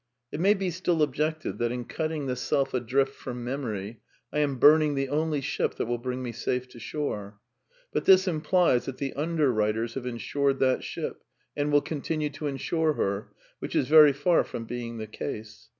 It may be still objected that in cutting the self adrift from memory I am burning the only ship that wiU bring me safe to shore. But this implies that the underwriters have ensured that ship, and will continue to ensure her, which is very far from being the case.